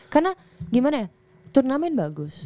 karena gimana ya turnamen bagus